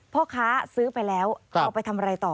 พ่อค้าซื้อไปแล้วเอาไปทำอะไรต่อ